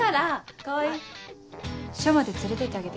川合署まで連れて行ってあげて。